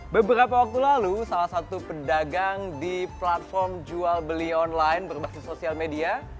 beberapa waktu lalu salah satu pedagang di platform jual beli online berbasis sosial media